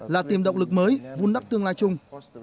là tìm động lực mới vun đắp tương lai chung